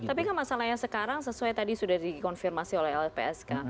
tapi kan masalahnya sekarang sesuai tadi sudah dikonfirmasi oleh lpsk